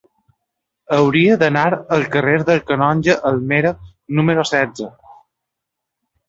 Hauria d'anar al carrer del Canonge Almera número setze.